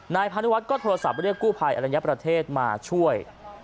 นายพาณุวัฒก็โทรศัพท์เรียกกู้ภัยอรรยประเทศมาช่วย